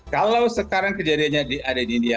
kalau sekarang kejadiannya ada di india